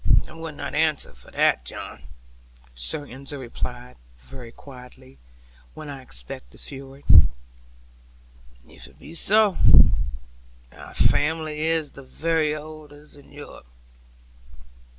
'I would not answer for that, John,' Sir Ensor replied, very quietly, when I expected fury. 'If it be so, thy family is the very oldest in Europe.